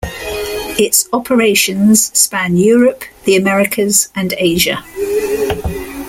Its operations span Europe, the Americas and Asia.